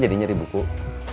bukan nyari atuk